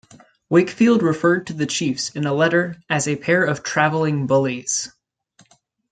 Wakefield referred to the chiefs in a letter as a pair of "travelling bullies".